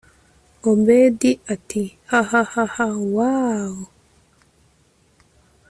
obedia ati hahahaha woowwww